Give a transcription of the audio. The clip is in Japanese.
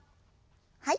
はい。